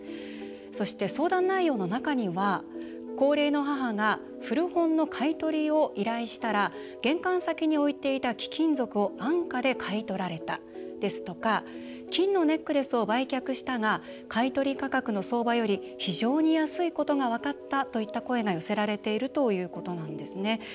そして、相談内容の中には「高齢の母が古本の買い取りを依頼したら玄関先に置いていた貴金属を安価で買い取られた」ですとか「金のネックレスを売却したが買い取り価格の相場より非常に安いことが分かった」といった声が寄せられているということなんですね。